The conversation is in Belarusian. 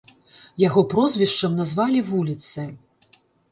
Яго прозвішчам назвалі вуліцы.